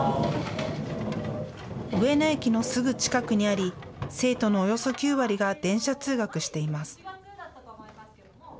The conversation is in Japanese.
上野駅のすぐ近くにあり生徒のおよそ９割が電車通学しています。